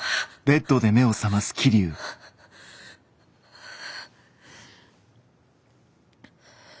はあ。